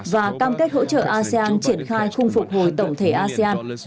và cam kết hỗ trợ asean triển khai khung phục hồi tổng thể asean